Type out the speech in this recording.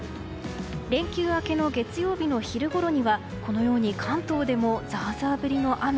連休明けの月曜日の昼ごろには関東でもザーザー降りの雨。